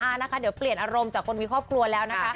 นะคะเดี๋ยวเปลี่ยนอารมณ์จากคนมีครอบครัวแล้วนะคะ